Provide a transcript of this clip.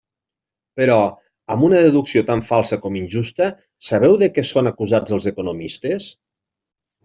Però, amb una deducció tan falsa com injusta, ¿sabeu de què són acusats els economistes?